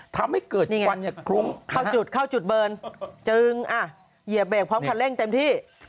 ทำให้เกิดควันฮะครุ้งเข้าจุดเบิร์นเจริงอ่ะเหยียบเรตพร้อมขันเร่งเต็มที่